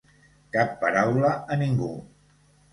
Cap paraula a ningú.